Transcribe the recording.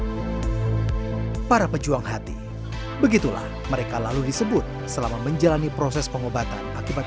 para pejuang hati begitulah mereka lalu disebut selama menjalani proses pengobatan akibat